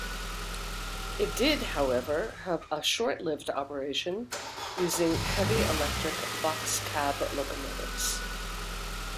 It did however, have a short-lived operation using heavy-electric boxcab locomotives.